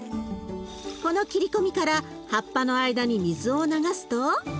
この切り込みから葉っぱの間に水を流すと。